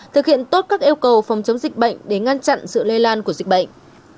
thực hiện tốt các yêu cầu phòng chống dịch bệnh để ngăn chặn sự lây lan của dịch bệnh